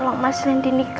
terus mas randy ngundang kiki